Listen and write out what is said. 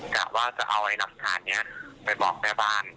กะว่าจะเอาหลักฐานนี้ไปบอกแม่บ้าน